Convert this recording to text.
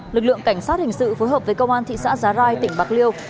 lực lượng cảnh sát hình sự phối hợp với công an thị xã giá rai tỉnh bạc liêu